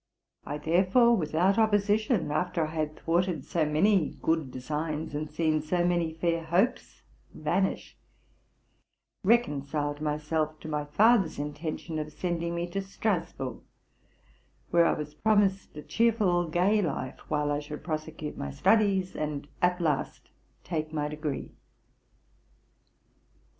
I there fore, without opposition, after I had thwarted so many good designs, and seen so many fair hopes vanish, reconciled my self to my father's intention of sending me to Strasburg, where I was promised a cheerful, gay life, while I should prosecute my studies, and at last take my degree.